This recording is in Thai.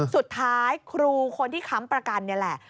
สุดท้ายครูคนที่ค้ำประกันนี่แหละ